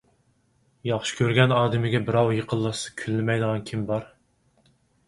ياخشى كۆرگەن ئادىمىگە بىراۋ يېقىنلاشسا كۈنلىمەيدىغان كىم بار؟